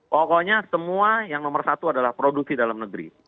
pokoknya semua yang nomor satu adalah produksi dalam negeri